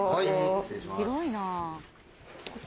失礼します。